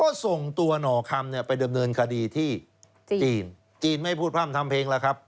ก็ส่งตัวหน่อคำเนี่ยไปดำเนินคดีที่จีนจีนไม่พูดพร่ำทำเพลงแล้วครับ